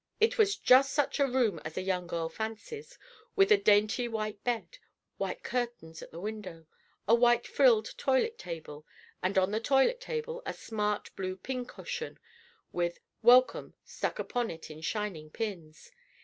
It was just such a room as a young girl fancies, with a dainty white bed, white curtains at the window, a white frilled toilet table, and on the toilet table a smart blue pincushion, with "Welcome" stuck upon it in shining pins.